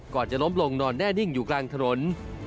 ก่อนจะล้มลงนอนแน่นิ่งอยู่กลางถนน